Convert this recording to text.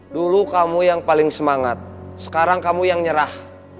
dulu kamu yang paling semangat sekarang kamu yang nyerah